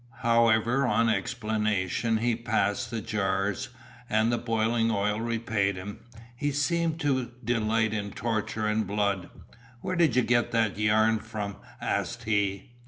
However, on explanation, he passed the jars, and the boiling oil repaid him. He seemed to delight in torture and blood. "Where did you get that yarn from?" asked he.